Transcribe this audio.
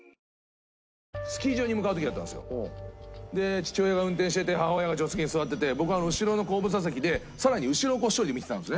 父親が運転してて母親が助手席に座ってて僕は後ろの後部座席で更に後ろを１人で見てたんですね。